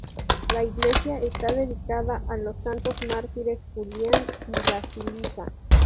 La iglesia está dedicada a los santos mártires Julián y Basilisa.